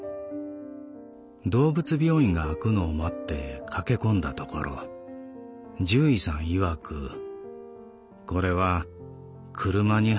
動物病院が開くのを待って駆け込んだところ獣医さん曰くこれは車にはねられたのだろうという。